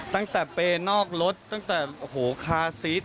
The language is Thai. ตั้งแต่เปย์นอกรถตั้งแต่โอ้โหคาซีส